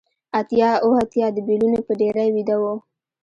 اتیا اوه اتیا د بیلونو په ډیرۍ ویده و